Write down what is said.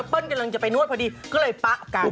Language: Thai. เปิ้ลกำลังจะไปนวดพอดีก็เลยปะกลับ